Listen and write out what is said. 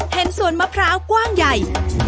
เห็นส่วนมะพร้าวกว้างใหญ่